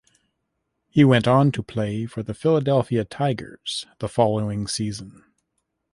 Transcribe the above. He went on to play for the Philadelphia Tigers the following season.